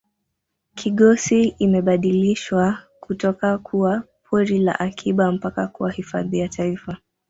kigosi imebadilishwa kutoka kuwa pori la akiba mpaka kuwa hifadhi ya taifa